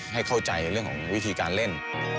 ให้เข้าใจเรื่องของวิธีการเล่น